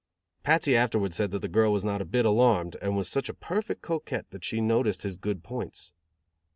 Patsy afterwards said that the girl was not a bit alarmed, and was such a perfect coquette that she noticed his good points.